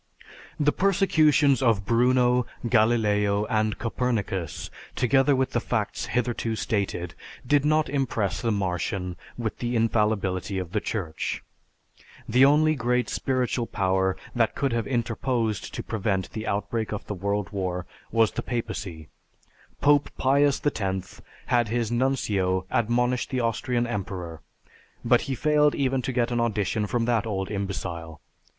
The persecutions of Bruno, Galileo, and Copernicus, together with the facts hitherto stated, did not impress the Martian with the "infallibility" of the Church. The only great spiritual power that could have interposed to prevent the outbreak of the World War was the papacy. Pope Pius X had his Nuncio admonish the Austrian emperor, but he failed even to get an audition from that old imbecile.